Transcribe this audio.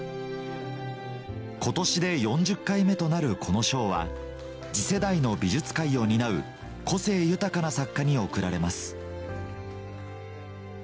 今年で４０回目となるこの賞は次世代の美術界を担う個性豊かな作家に贈られます